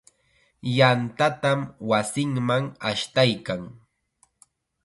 Yantatam wasinman ashtaykan.